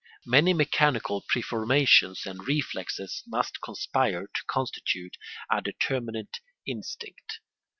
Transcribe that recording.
Many mechanical preformations and reflexes must conspire to constitute a determinate instinct.